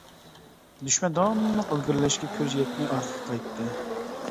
دۈشمەن داۋاملىق ئىلگىرىلەشكە كۆزى يەتمەي ئارقىغا قايتتى.